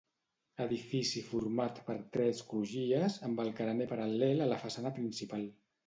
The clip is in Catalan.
Edifici format per tres crugies, amb el carener paral·lel a la façana principal.